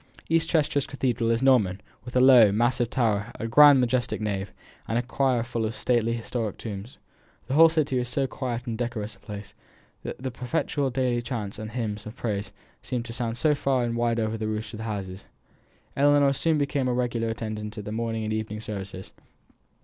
East Chester Cathedral is Norman, with a low, massive tower, a grand, majestic nave, and a choir full of stately historic tombs. The whole city is so quiet and decorous a place, that the perpetual daily chants and hymns of praise seemed to sound far and wide over the roofs of the houses. Ellinor soon became a regular attendant at all the morning and evening services.